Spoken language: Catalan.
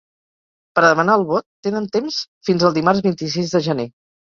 Per a demanar el vot, tenen temps fins el dimarts vint-i-sis de gener.